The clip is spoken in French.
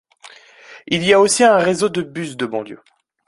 Il y a aussi un réseau de bus de banlieue.